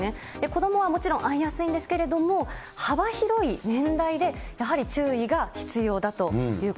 子どもはもちろん、遭いやすいんですけれども、幅広い年代で、やはり注意が必要